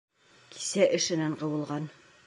Кисә эшенән ҡыуылған...